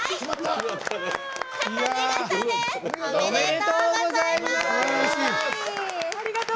おめでとうございます！